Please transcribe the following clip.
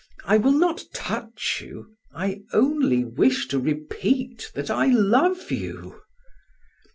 I will not touch you. I only wish to repeat that I love you."